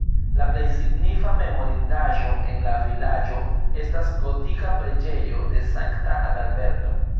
La plej signifa memorindaĵo en la vilaĝo estas gotika preĝejo de Sankta Adalberto.